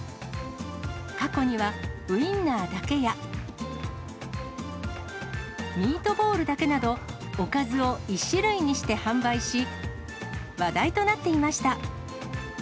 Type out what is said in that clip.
過去には、ウインナーだけや、ミートボールだけなど、おかずを１種類にして販売し、話題となっていました。